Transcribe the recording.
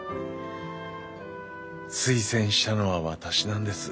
推薦したのは私なんです。